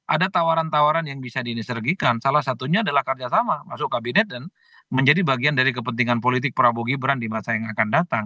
ada tawaran tawaran yang bisa dinisergikan salah satunya adalah kerjasama masuk kabinet dan menjadi bagian dari kepentingan politik prabowo gibran di masa yang akan datang